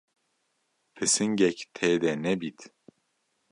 -- Pisingek tê de nebit?